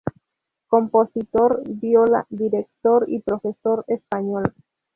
Compositor, viola, director y profesor español.